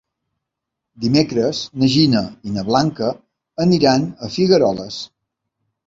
Dimecres na Gina i na Blanca aniran a Figueroles.